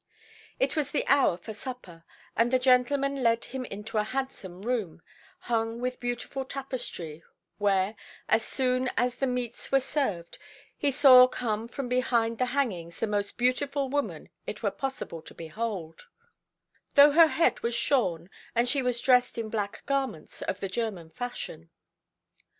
It was the hour for supper, and the gentleman led him into a handsome room, hung with beautiful tapestry, where, as soon as the meats were served, he saw come from behind the hangings the most beautiful woman it were possible to behold; though her head was shorn and she was dressed in black garments of the German fashion.